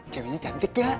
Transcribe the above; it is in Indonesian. ceweknya cantik ya